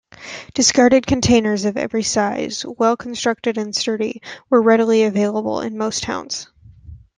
Discarded containers of every size, well-constructed and sturdy, were readily available in most towns.